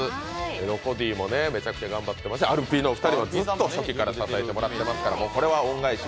ロコディもめちゃくちゃ頑張ってますし、アルピーのお二人にはずっと初期から支えてもらってますから、これは恩返し。